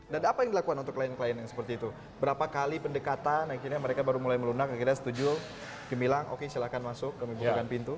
dan apa yang dilakukan untuk klien klien yang seperti itu berapa kali pendekatan akhirnya mereka baru mulai melunak akhirnya setuju kami bilang oke silahkan masuk kami buangkan pintu